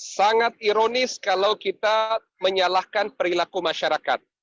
sangat ironis kalau kita menyalahkan perilaku masyarakat